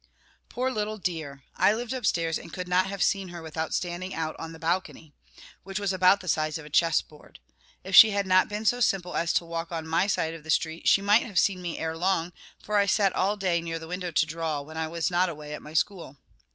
Poor little dear! I lived upstairs, and could not have seen her without standing out on the balcony, which was about the size of a chess board. If she had not been so simple as to walk on my side of the street, she must have seen me ere long, for I sat all day near the window to draw, when I was not away at my school.